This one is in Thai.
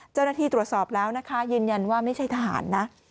เจ้าหน้าที่ตรวจสอบแล้วนะคะยืนยันว่าไม่ใช่ทหารนะ